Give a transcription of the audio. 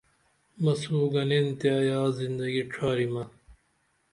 مسو گنین تے ایا زندگی ڇھاریمہ